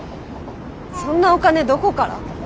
そんなお金どこから？